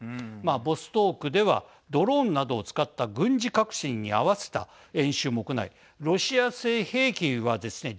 ボストークではドローンなどを使った軍事革新に合わせた演習も行いロシア製兵器はですね